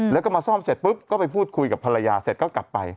แล้วก็มาซ่อมเสร็จปุ๊บก็ไปพูดคุยกับภรรยาเสร็จก็กลับไป